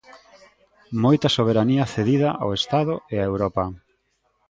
Moita soberanía cedida ao Estado e a Europa.